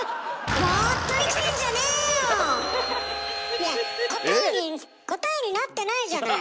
いや答えになってないじゃない。